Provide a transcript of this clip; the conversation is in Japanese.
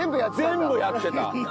全部やってた。